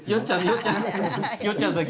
よっちゃんさん